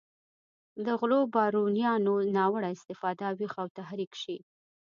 د غلو بارونیانو ناوړه استفاده ویښ او تحریک شي.